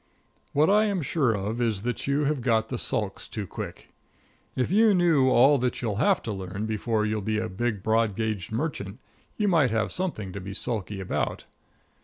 What I am sure of is that you have got the sulks too quick. If you knew all that you'll have to learn before you'll be a big, broad gauged merchant, you might have something to be sulky about.